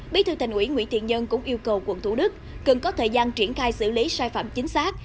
bí thư thành ủy nguyễn thiện nhân cũng yêu cầu quận thủ đức cần có thời gian triển khai xử lý sai phạm chính xác